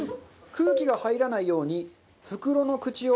空気が入らないように袋の口を縛ります。